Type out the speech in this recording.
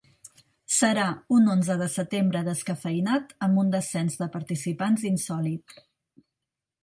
Serà un Onze de Setembre descafeïnat amb un descens de participants insòlit